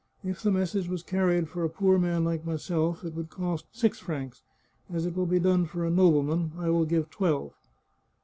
If the message was carried for a poor man like myself it would cost six francs; as it will be done for a nobleman, I will g^ve twelve."